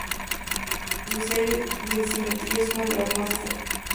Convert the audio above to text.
Su serie de Simetría es una de las más destacadas.